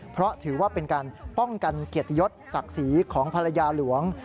เพราะถือว่าเป็นการป้องกันเกียรติยศศักดิ์ศรีของภรรยาหลวง